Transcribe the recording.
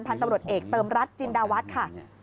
พันธุ์ตำรวจเอกเติมรัฐจินดาวัฒน์ค่ะ